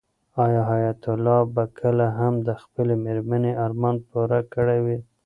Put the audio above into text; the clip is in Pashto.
آیا حیات الله به کله هم د خپلې مېرمنې ارمان پوره کړی وي؟